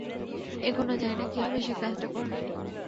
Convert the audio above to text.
এখনও জানি না কীভাবে সে কাজটা করল!